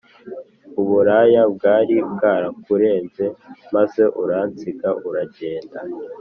uburaya bwari bwarakurenze maze uransiga uragenda